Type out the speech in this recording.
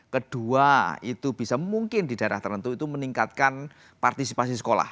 kedua itu bisa mungkin di daerah tertentu itu meningkatkan partisipasi sekolah